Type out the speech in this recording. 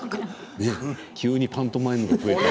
急にパントマイムが増えた。